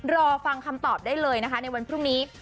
รอฟังคำตอบได้เลยนะคะในวันพรุ่งนี้